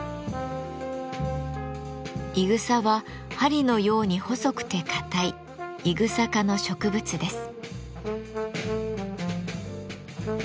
いぐさは針のように細くて硬いイグサ科の植物です。